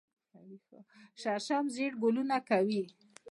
شړشم ژیړ ګلونه کوي